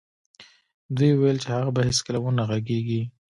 دوی ویل چې هغه به هېڅکله و نه غږېږي